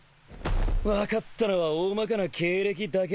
分かったのは大まかな経歴だけ。